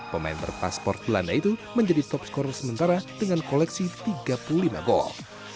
pemain berpasport belanda itu menjadi top skor sementara dengan koleksi tiga puluh lima gol